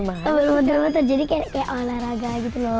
sambil muter muter jadi kayak olahraga gitu loh